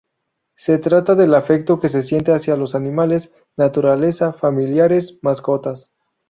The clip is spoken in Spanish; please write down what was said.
Se trata del afecto que se siente hacia los animales, naturaleza, familiares, mascotas.